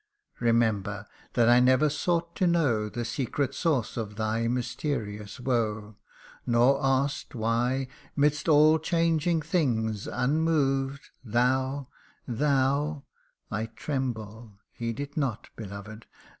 Remember, that I never sought to know The secret source of thy mysterious woe ; Nor ask'd why 'midst all changing things unmoved Thou thou (I tremble heed it not, beloved